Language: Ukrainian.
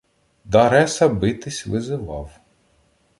Дареса битись визивав.